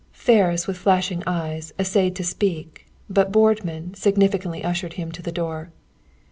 Ferris, with flashing eyes, essayed to speak, but Boardman significantly ushered him to the door.